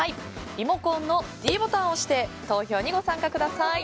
リモコンのｄボタンを押して投票にご参加ください。